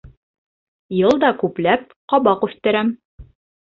Йыл да күпләп ҡабаҡ үҫтерәм.